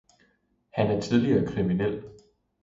Han er tidligere kriminel.